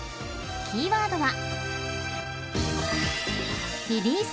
［キーワードは］